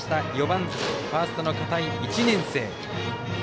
４番、ファーストの片井、１年生。